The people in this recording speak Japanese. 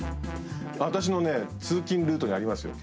私のね通勤ルートにありますよ